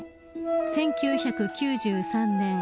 １９９３年。